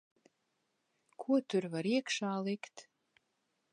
Ko tur var iekšā likt.